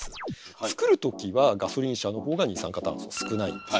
作る時はガソリン車の方が二酸化炭素少ないんですね。